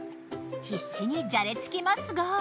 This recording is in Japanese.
必死にじゃれつきますが。